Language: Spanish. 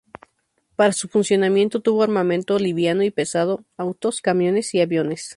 Para su funcionamiento tuvo armamento liviano y pesado, autos, camiones y aviones.